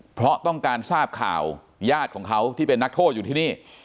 เพราะต้องการทราบข่าวญาติของเขาที่เป็นนักโทษอยู่ที่นี่